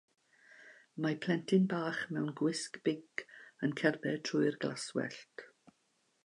Mae plentyn bach mewn gwisg binc yn cerdded trwy'r glaswellt.